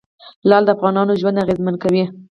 لعل د افغانانو ژوند اغېزمن کوي.